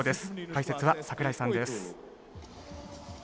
解説は櫻井さんです。